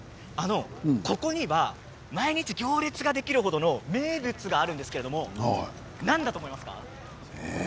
ここには毎日行列ができる程の名物があるんですけれども何だと思いますか？